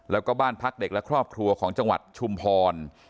แล้วก็บ้านพักเด็กและครอบครัวของจังหวัดชุมพร